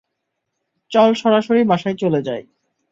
চল সরাসরি বাসায় চলে যাই।